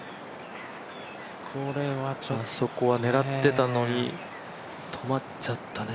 あそこは狙ってたのに止まっちゃったね。